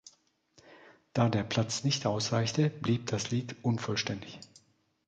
Da der Platz nicht ausreichte, blieb das Lied unvollständig.